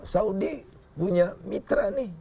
saudi punya mitra nih